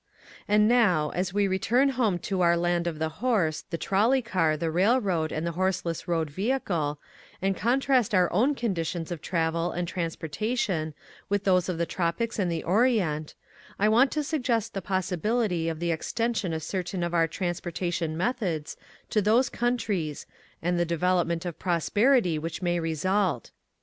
And now, as we return home to our land of the horse, the trolley car, the rail road, and the horseless road vehicle, and contrast our own conditions of travel and transportation with those of the tropics and the orient, I want to suggest the possibility of the extension of certain of our transportation methods to those coun tries, and the development of prosperity which may result.